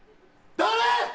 誰！